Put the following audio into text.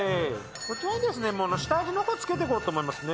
こちらにですね下味の方付けてこうと思いますね。